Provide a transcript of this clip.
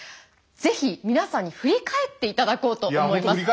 是非皆さんに振り返っていただこうと思います。